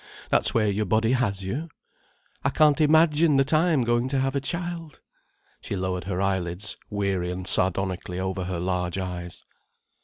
That's where your body has you. I can't imagine that I'm going to have a child—" She lowered her eyelids wearily and sardonically over her large eyes.